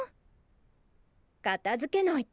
片づけないと。